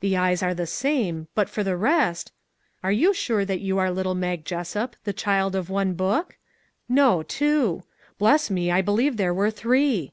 The eyes are the same, but for the rest . Are you sure that you are little Mag Jessup, the child of one book? no, two, bless me! I believe there were three."